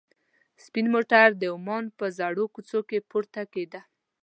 سپین موټر د عمان په زړو کوڅو کې پورته کېده.